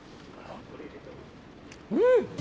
うん！